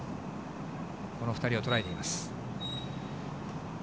この２人を捉えています。